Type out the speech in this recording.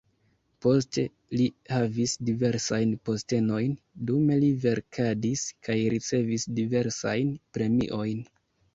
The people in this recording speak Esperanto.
Poste li havis diversajn postenojn, dume li verkadis kaj ricevis diversajn premiojn.